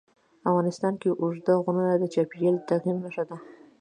افغانستان کې اوږده غرونه د چاپېریال د تغیر نښه ده.